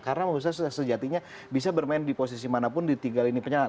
karena musa sejatinya bisa bermain di posisi manapun di tiga lini penyelam